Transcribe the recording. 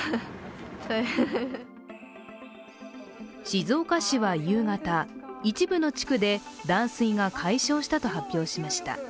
静岡市は夕方、一部の地区で断水が解消したと発表しました。